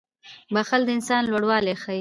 • بښل د انسان لوړوالی ښيي.